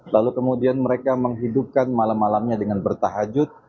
lalu kemudian mereka menghidupkan malam malamnya dengan bertahhajud